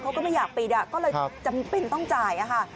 เขาก็ไม่อยากปิดอ่ะก็เลยจำเป็นต้องจ่ายอ่ะค่ะ